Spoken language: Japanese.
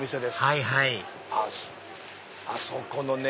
はいはいあそこのね